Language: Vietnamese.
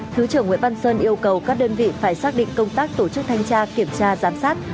thứ trưởng nguyễn văn sơn yêu cầu các đơn vị phải xác định công tác tổ chức thanh tra kiểm tra giám sát